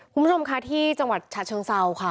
คุณผู้ชมค่ะที่จังหวัดฉะเชิงเซาค่ะ